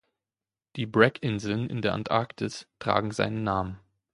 Die Bragg-Inseln in der Antarktis tragen seinen Namen.